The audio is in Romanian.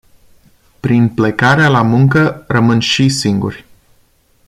Prin plecarea la muncă, rămân și singuri.